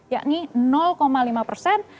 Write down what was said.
yakni lima persen